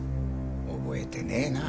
覚えてねえな。